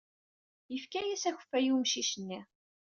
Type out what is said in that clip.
Yefka-as akeffay i umcic-nni.